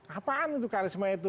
apaan itu karisma itu